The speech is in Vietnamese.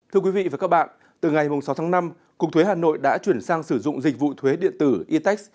thưa quý vị và các bạn từ ngày sáu tháng năm cục thuế hà nội đã chuyển sang sử dụng dịch vụ thuế điện tử etex